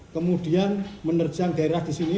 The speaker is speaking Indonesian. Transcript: kemudian menerjang daerah di sini